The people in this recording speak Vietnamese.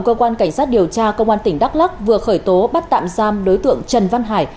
cơ quan cảnh sát điều tra công an tỉnh đắk lắc vừa khởi tố bắt tạm giam đối tượng trần văn hải